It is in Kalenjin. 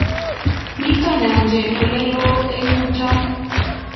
Mito nyanjet ole loo eng yutok